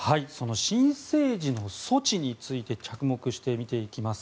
申請時の措置について着目して見ていきます。